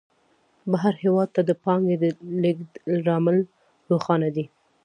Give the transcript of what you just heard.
بهر هېواد ته د پانګې د لېږد لامل روښانه دی